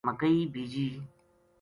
مکئی بیجی